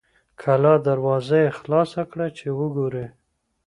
کلا دروازه یې خلاصه کړه چې وګوري.